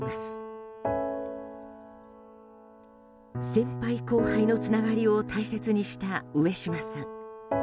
先輩・後輩のつながりを大切にした上島さん。